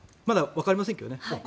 まだわかりませんけどね。